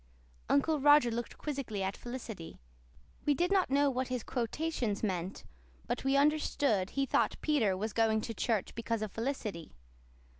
'" Uncle Roger looked quizzically at Felicity. We did not know what his quotations meant, but we understood he thought Peter was going to church because of Felicity.